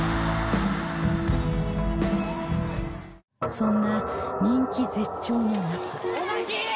そんな人気絶頂の中